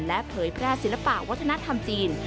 และเผยแพร่ศิลปะวัฒนธรรมจีน